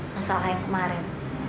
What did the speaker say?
masalah yang kemarin